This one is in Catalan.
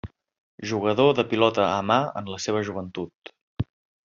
Jugador de pilota a mà en la seva joventut.